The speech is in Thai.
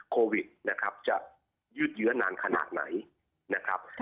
โควิดจะยืดเยื้อนานขนาดไหน